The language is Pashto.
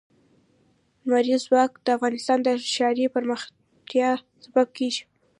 لمریز ځواک د افغانستان د ښاري پراختیا سبب کېږي.